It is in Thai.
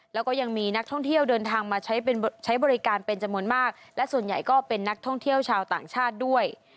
แล้วก็ยังมีนักท่องเที่ยวเดินทางมาใช้บริการเป็นจำนวนมากและส่วนใหญ่ก็เป็นนักท่องเที่ยวชาวต่างชาติด้วย